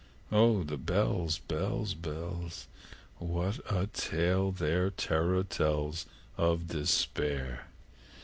Oh, the bells, bells, bells! What a tale their terror tells Of Despair!